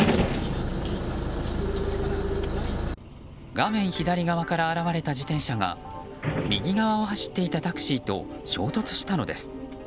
画面左側から現れた自転車が右側を走っていたタクシーと衝突したのです。